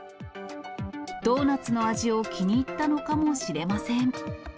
ドーナツの味を気に入ったのかもしれません。